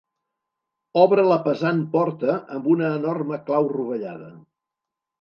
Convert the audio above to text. Obre la pesant porta amb una enorme clau rovellada.